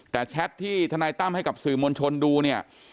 แต่แชทที่ทนายตั้มให้กับสื่อมวลชนดูเนี่ย